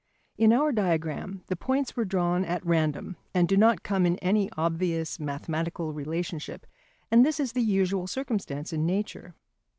# In our diagram the points were drawn at random and do not come in any obvious mathematical relationship, and this is the usual circumstance in nature.